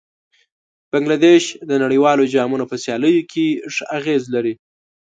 بنګله دېش د نړیوالو جامونو په سیالیو کې ښه اغېز لري.